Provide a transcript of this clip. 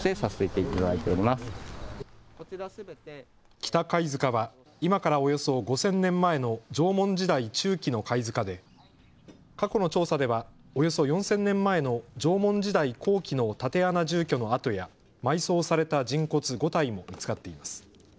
北貝塚は今からおよそ５０００年前の縄文時代中期の貝塚で過去の調査ではおよそ４０００年前の縄文時代後期の竪穴住居の跡や埋葬された人骨５体も見つかっています。